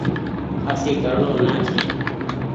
کآسي ڪرڻو نآ ڇي ۔